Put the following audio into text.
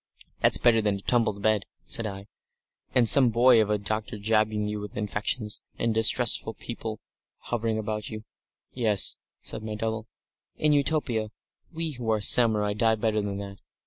"That's better than a tumbled bed," said I, "and some boy of a doctor jabbing you with injections, and distressful people hovering about you." "Yes," said my double; "in Utopia we who are samurai die better than that....